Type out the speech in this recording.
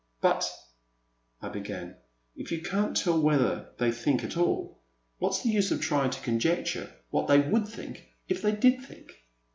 " But,'* I began, "if you can't tell whether they think at all, what *s the use of tr5dng to conjecture what they wauU think if they did think?